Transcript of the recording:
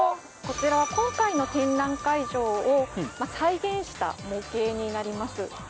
こちらは今回の展覧会場を再現した模型になります。